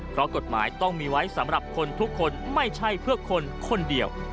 เพราะกฎหมายต้องมีไว้สำหรับคนทุกคนไม่ใช่เพื่อคนคนเดียว